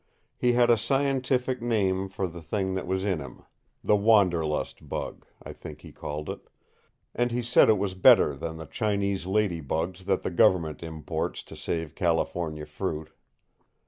He had a scientific name for the thing that was in him the wanderlust bug, I think he called it; and he said it was better than the Chinese lady bugs that the government imports to save California fruit.